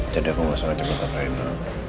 jadi aku gak sangat jepetan rina